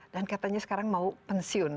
dan katanya sekarang mau pensiun